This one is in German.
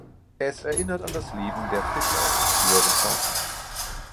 Es erinnert an das Leben der Fischer in früheren Zeiten.